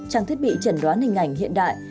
trang thiết bị trẩn đoán hình ảnh hiện đại